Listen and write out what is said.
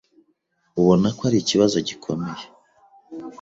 ubona ko ari ikibazo gikomeye